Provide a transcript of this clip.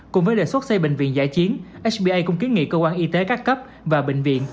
cùng với đề xuất xây bệnh viện giải chiến sba cũng kiến nghị cơ quan y tế các cấp và bệnh viện